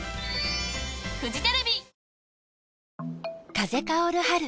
風薫る春。